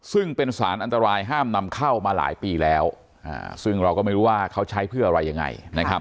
ซึ่งเป็นสารอันตรายห้ามนำเข้ามาหลายปีแล้วซึ่งเราก็ไม่รู้ว่าเขาใช้เพื่ออะไรยังไงนะครับ